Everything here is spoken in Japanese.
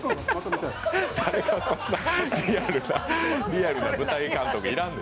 リアルな舞台監督、要らん。